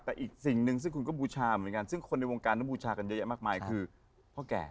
แต่อีกสิ่งหนึ่งซึ่งคุณก็บูชาเหมือนกันซึ่งคนในวงการต้องบูชากันเยอะแยะมากมายคือพ่อแก่